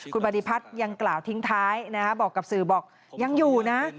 คุณบริพัฒน์ยังกล่าวทิ้งท้ายบอกกับสื่อบอกยังอยู่นะ